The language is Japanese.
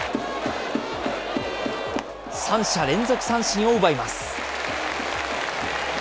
３者連続三振を奪います。